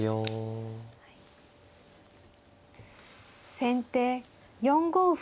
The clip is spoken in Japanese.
先手４五歩。